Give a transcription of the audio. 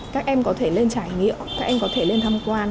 các em có thể lên trải nghiệm các em có thể lên tham quan